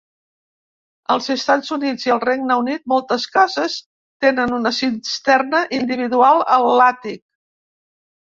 Als Estats Units i al Regne Unit, moltes cases tenen una cisterna individual a l'àtic.